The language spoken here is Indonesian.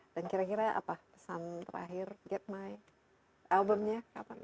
dan kira kira apa pesan terakhir get my albumnya